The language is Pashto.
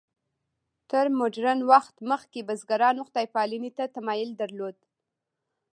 تر مډرن وخت مخکې بزګرانو خدای پالنې ته تمایل درلود.